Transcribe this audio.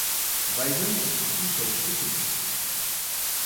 Weisen se situe sur le Stepenitz.